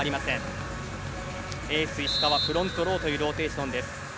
エース、石川フロントローというローテーションです。